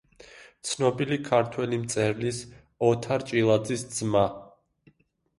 ცნობილი ქართველი მწერლის ოთარ ჭილაძის ძმა.